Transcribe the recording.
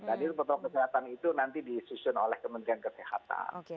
dan itu protokol kesehatan itu nanti disusun oleh kementerian kesehatan